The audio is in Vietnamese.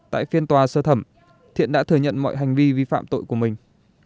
tại phiên tòa sơ thẩm thiện đã thừa nhận mọi hành vi vi phạm tội của mình